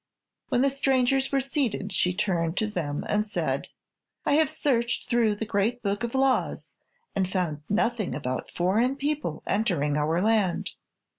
When the strangers were seated she turned to them and said: "I have searched through the Great Book of Laws and found nothing about foreign people entering our land.